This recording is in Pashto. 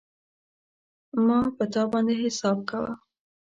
ما په تا باندی حساب کاوه